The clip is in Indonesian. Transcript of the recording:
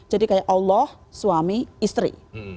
jadi kayak allah suami istri